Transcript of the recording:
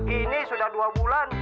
ini sudah dua bulan